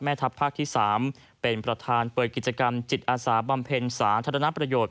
ทัพภาคที่๓เป็นประธานเปิดกิจกรรมจิตอาสาบำเพ็ญสาธารณประโยชน์